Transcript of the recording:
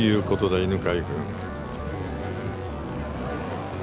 犬飼君。